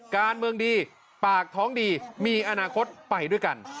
การเมืองดีปากท้องดีมีอนาคตไปด้วยกัน